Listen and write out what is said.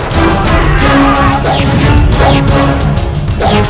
tebak tebak quando aku hancur